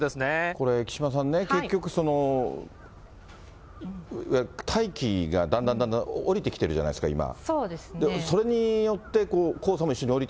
これ、木島さんね、結局ね、大気がだんだんだんだん下りてきてるじゃないですか、今。